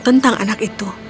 tentang anak itu